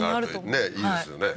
はいいいですよね